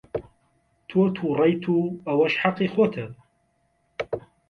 تۆ تووڕەیت و ئەوەش هەقی خۆتە.